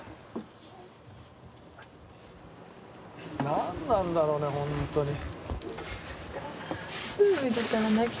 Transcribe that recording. なんなんだろうね本当に。